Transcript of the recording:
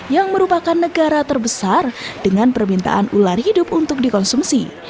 yang merupakan negara terbesar dengan permintaan ular hidup untuk dikonsumsi